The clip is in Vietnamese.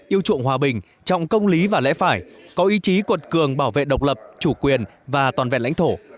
yêu chuộng hòa bình trọng công lý và lẽ phải có ý chí cuột cường bảo vệ độc lập chủ quyền và toàn vẹn lãnh thổ